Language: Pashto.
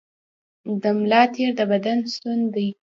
د ملا تیر د بدن ستون دی